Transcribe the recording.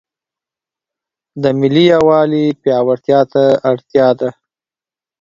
د ملي یووالي پیاوړتیا ته اړتیا ده.